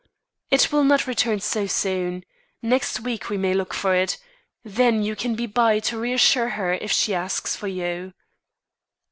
"It will not return so soon. Next week we may look for it. Then you can be by to reassure her if she asks for you."